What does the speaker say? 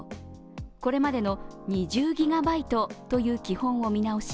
これまでの２０ギガバイトという基本を見直し